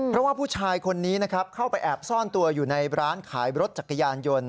เพราะว่าผู้ชายคนนี้นะครับเข้าไปแอบซ่อนตัวอยู่ในร้านขายรถจักรยานยนต์